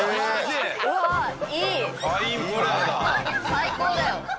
最高だよ。